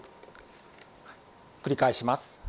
繰り返します。